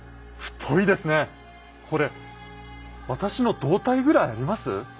これ私の胴体ぐらいあります？